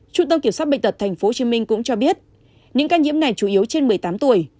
trung tâm kiểm soát bệnh tật tp hcm cũng cho biết những ca nhiễm này chủ yếu trên một mươi tám tuổi